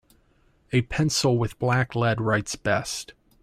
A pencil with black lead writes best.